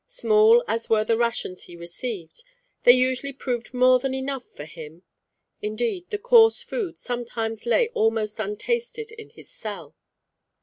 Small as were the rations he received, they usually proved more than enough for him; indeed, the coarse food sometimes lay almost untasted in his cell.